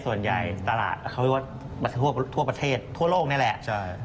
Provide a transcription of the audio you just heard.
ส่วนใหญ่ตลาดเขาเรียกว่าทั่วประเทศทั่วโลกนั่นแหละใช่